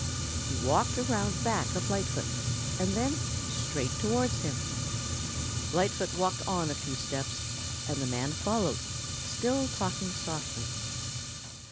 He walked around back of Lightfoot and then straight towards him. Lightfoot walked on a few steps, and the man followed, still talking softly.